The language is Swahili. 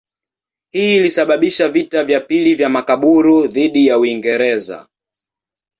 Hii ilisababisha vita vya pili vya Makaburu dhidi ya Uingereza.